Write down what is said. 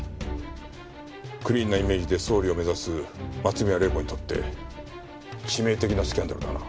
クリーンなイメージで総理を目指す松宮玲子にとって致命的なスキャンダルだな。